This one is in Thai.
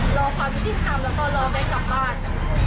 รอความวิจิตย์ทำแล้วก็รอแม่งกลับบ้าน